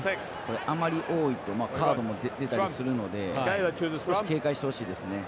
あまり多いとカーブも出たりするので少し警戒してほしいですね。